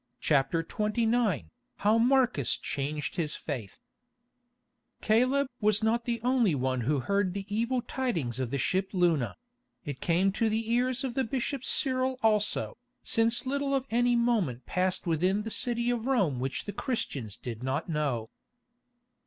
CHAPTER XXIX HOW MARCUS CHANGED HIS FAITH Caleb was not the only one who heard the evil tidings of the ship Luna; it came to the ears of the bishop Cyril also, since little of any moment passed within the city of Rome which the Christians did not know.